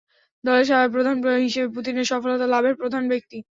দলের সাবেক প্রধান হিসেবে পুতিন এর সফলতা লাভের প্রধান ব্যক্তি।